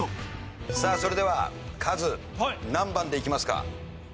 さあそれではカズ何番でいきますか？